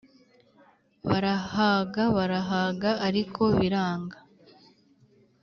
Barahaga barahaga ariko biranga